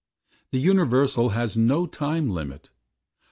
The Universal has no time limit.